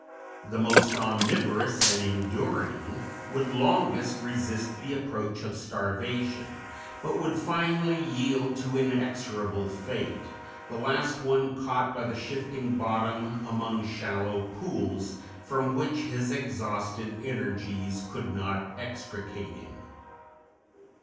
The most omnivorous and enduring would longest resist the approach of starvation, but would finally yield to inexorable fate the last one caught by the shifting bottom among shallow pools, from which his exhausted energies could not extricate him.